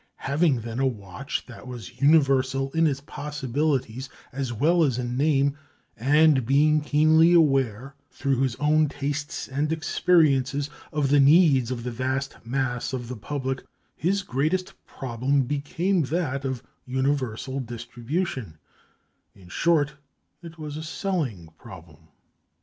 Having, then, a watch that was universal in its possibilities as well as in name, and being keenly aware, through his own tastes and experiences, of the needs of the vast mass of the public, his greatest problem became that of universal distribution; in short, it was a selling problem.